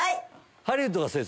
ハリウッドが製作